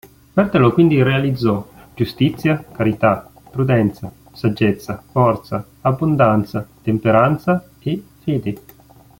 Berthelot quindi realizzò "Giustizia", "Carità", "Prudenza", "Saggezza", "Forza", "Abbondanza", "Temperanza" e "Fede".